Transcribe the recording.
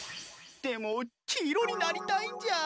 でもきいろになりたいんじゃー。